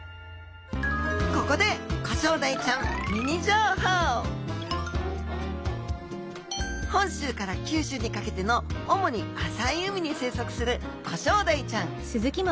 ここで本州から九州にかけての主に浅い海に生息するコショウダイちゃん。